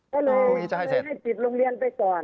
ก็เลยให้ปิดโรงเรียนไปก่อน